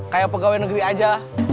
kayak pegawai negeri aja